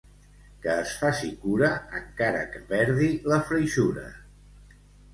Que es faci cura, encara que perdi la freixura.